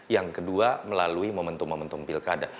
yang kedua melalui mementum mementum pilkada